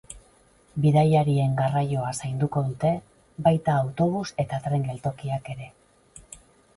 Bidaiarien garraioa zainduko dute, baita autobus eta tren geltokiak ere.